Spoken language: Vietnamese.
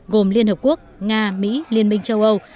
gồm liên hợp quốc nga mỹ liên minh châu âu